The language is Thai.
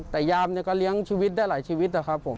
แต่ยามก็เลี้ยงชีวิตได้หลายชีวิตครับ